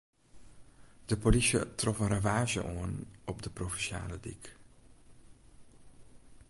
De polysje trof in ravaazje oan op de provinsjale dyk.